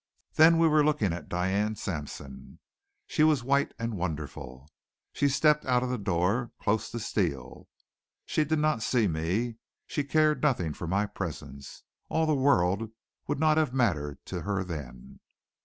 Then we were looking at Diane Sampson. She was white and wonderful. She stepped out of the door, close to Steele. She did not see me; she cared nothing for my presence. All the world would not have mattered to her then.